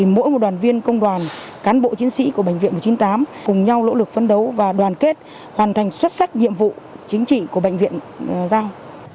mỗi một đoàn viên công đoàn cán bộ chiến sĩ của bệnh viện một trăm chín mươi tám cùng nhau nỗ lực phân đấu và đoàn kết hoàn thành xuất sắc nhiệm vụ chính trị của bệnh viện giao